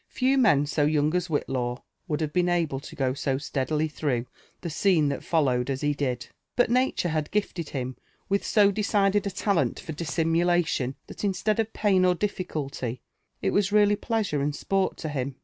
Few men so young as Whitlaw would have been aUe to go so «lea4ily throngh the scene that foHowed as he .did ; but nature M 13* lOfi LIFE AND ADVENTURES OF gifted him with so decided a talent for dissimulation, that instead of pain or dillicully, it was really pleasure and sport to him.